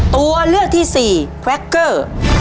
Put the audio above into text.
ตัวเลือกที่สี่แวคเกอร์